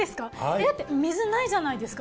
だって水ないじゃないですか。